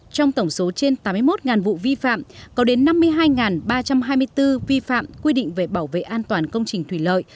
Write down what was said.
trong tổng số trên tám mươi một vụ vi phạm có đến năm mươi hai ba trăm hai mươi bốn vi phạm quy định về bảo vệ an toàn công trình thủy lợi